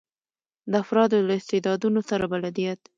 د افرادو له استعدادونو سره بلدیت.